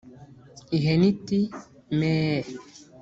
ihene iti “meee”